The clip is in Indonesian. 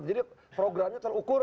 jadi programnya terukur